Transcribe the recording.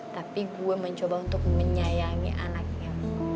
tapi gue mencoba untuk menyayangi anaknya